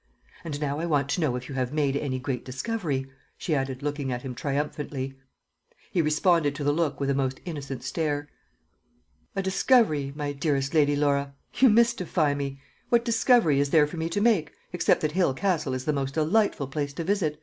"And now I want to know if you have made any great discovery?" she added, looking at him triumphantly. He responded to the look with a most innocent stare. "A discovery, my dearest Lady Laura you mystify me. What discovery is there for me to make, except that Hale Castle is the most delightful place to visit?